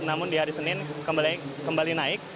namun di hari senin kembali naik